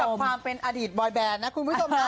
สมกับความเป็นอดีตบอยแบรนด์นะคุณผู้ชม